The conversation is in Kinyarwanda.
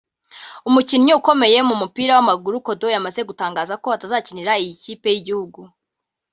umukinnyi ukomeye mu mupira w’amaguru Kodo yamaze gutangaza ko atazakinira iyi kipe y’igihugu